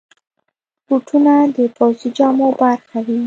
بوټونه د پوځي جامو برخه وي.